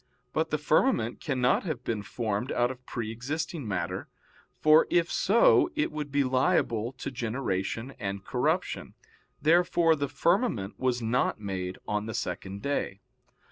But the firmament cannot have been formed out of pre existing matter, for if so it would be liable to generation and corruption. Therefore the firmament was not made on the second day.